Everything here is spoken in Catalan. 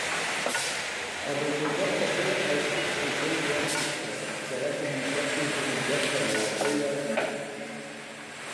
El resultat va ser el subfusell Lanchester, que va començar a ser utilitzat per la Royal Navy.